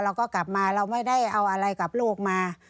เราก็กลับมาเราไม่ได้เอาอะไรกับลูกมา